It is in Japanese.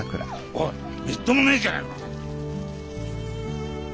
おいみっともねえじゃねえか。